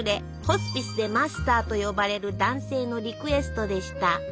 ホスピスで「マスター」と呼ばれる男性のリクエストでした。